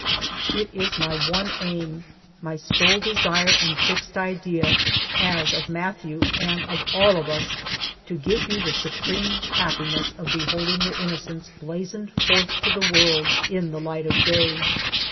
It is my one aim, my sole desire and fixed idea, as of Mathieu, and of all of us, to give you the supreme happiness of beholding your innocence blazoned forth to the world in the light of day.